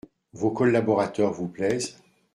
Vos collaborateurs vous plaisent ?